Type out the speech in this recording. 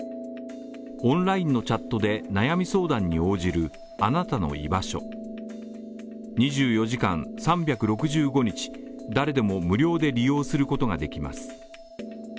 オンラインのチャットで悩み相談に応じるあなたのいばしょ２４時間３６５日、誰でも無料で利用することができます。